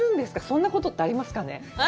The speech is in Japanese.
そんなことってありますかね？